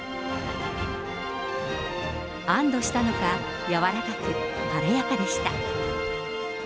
安どしたのか、柔らかく、晴れやかでした。